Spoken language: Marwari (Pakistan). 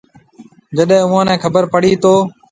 جڏيَ اُوئون نَي خبر پڙِي تو۔